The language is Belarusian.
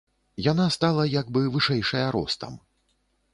Яна стала як бы вышэйшая ростам.